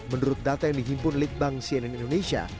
menurut data yang dihimpun oleh bank cnn indonesia